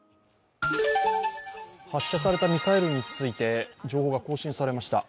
発射されたミサイルについて、情報が更新されました。